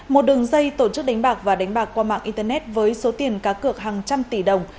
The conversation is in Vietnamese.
một đường dây tổ chức đánh bạc và đánh bạc qua mạng internet với số tiền cá cược hàng trăm tỷ đồng